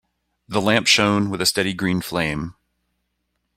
The lamp shone with a steady green flame.